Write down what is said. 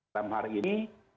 dalam hari ini